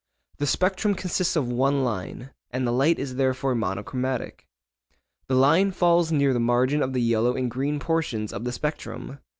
The spectrum consists of one line, and the light is therefore monochromatic. The line falls near the margin of the yellow and green portions of the spectrum....